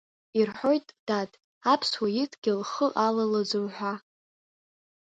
Ирҳәоит, дад, аԥсуа иадгьыл хы алалаӡом ҳәа.